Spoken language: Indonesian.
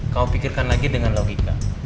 kau pikirkan lagi dengan logika